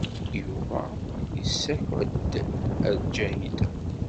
Yuba yessaked-d ar Ǧahida.